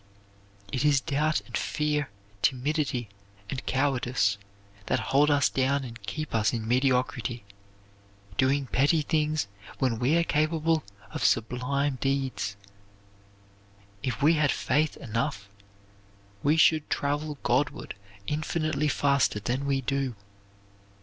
It is doubt and fear, timidity and cowardice, that hold us down and keep us in mediocrity doing petty things when we are capable of sublime deeds. If we had faith enough we should travel Godward infinitely faster than we do.